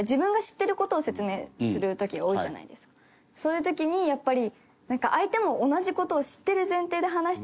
そういう時にやっぱり。